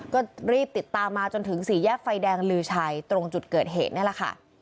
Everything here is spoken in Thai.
ก็รีบติดตามมาจนถึงสี่แยกไฟแดงลือชัยตรงจุดเกิดเหตุนี่แหละค่ะ